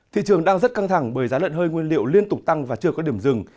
thị trường đang rất căng thẳng bởi giá lợn hơi nguyên liệu liên tục tăng và chưa có điểm dừng